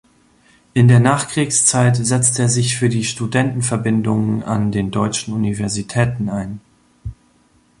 In der Nachkriegszeit setzte er sich für die Studentenverbindungen an den deutschen Universitäten ein.